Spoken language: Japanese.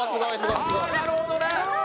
ああなるほどね！